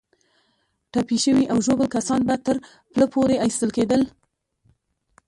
ټپي شوي او ژوبل کسان به تر پله پورې ایستل کېدل.